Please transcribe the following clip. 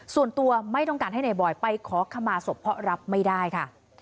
ส่วนตัวไม่ต้องการให้นายบอยไปขอขมาศพเพราะรับไม่ได้ค่ะ